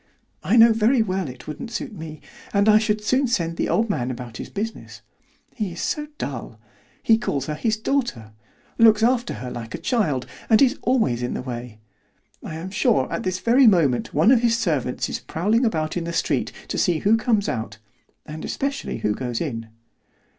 I know very well it wouldn't suit me, and I should soon send the old man about his business. He is so dull; he calls her his daughter; looks after her like a child; and is always in the way. I am sure at this very moment one of his servants is prowling about in the street to see who comes out, and especially who goes in."